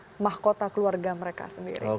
bahwa membawa mahkota keluarga mereka sendiri